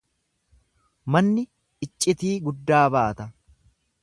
Manni iccitii guddaa baata.